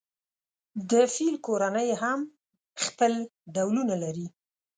د فیل کورنۍ هم خپل ډولونه لري.